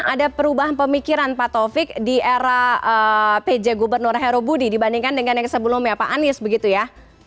ada perubahan pemikiran pak taufik di era pj gubernur herobudi dibandingkan dengan yang sebelumnya pak anies begitu ya